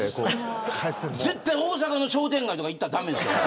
大阪の商店街とか絶対行ったら駄目ですよ。